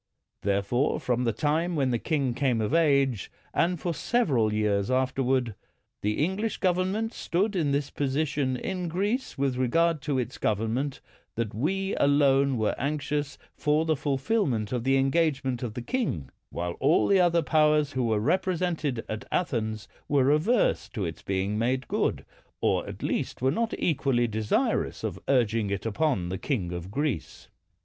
Therefore, from the time when the king came of age, and for several years afterward, the English govern ment stood in this position in Greece with re gard to its government — that we alone were anxious for the fulfilment of the engagement of the king, while all the other powers who were represented at Athens were averse to its being made good, or at least were not equally desirous of urging it upon the king of Greece.